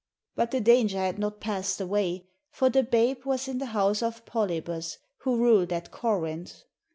But the danger had not passed away, for the babe was in the house of Polybus, who" ruled at Corinth.